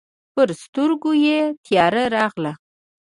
پر سترګو یې تياره راغله.